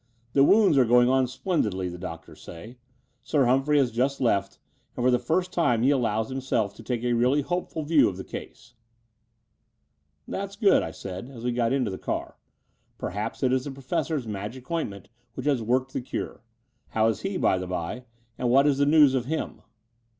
The wounds are going on splendidly, the doctors say. Sir Humphrey has just left: and for the first time he allows himself to take a really hop^ul view of the case." "That's good," I said, as we got into the car. "Perhaps it is the Professor's magic ointment which has worked the cure. How is he, by the by, and what is the news of him?"